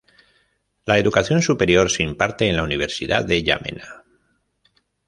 La educación superior se imparte en la Universidad de Yamena.